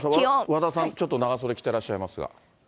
和田さん、ちょっと長袖着てらっしゃいますが。